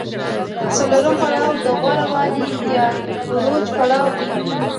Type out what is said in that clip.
څلورم پړاو د غوره والي یا عروج پړاو دی